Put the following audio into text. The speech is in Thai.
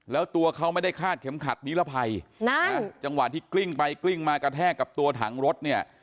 แล้วตัวเขาไม่ได้คาดเข็มขัดนิรภัยนะจังหวะที่กลิ้งไปกลิ้งมากระแทกกับตัวถังรถเนี่ย